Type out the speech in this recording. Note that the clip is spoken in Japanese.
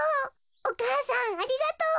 お母さんありがとう。